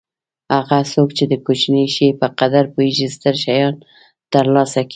هغه څوک چې د کوچني شي په قدر پوهېږي ستر شیان ترلاسه کوي.